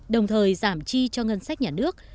đồng thời giảm chi cho ngân sách nhà nước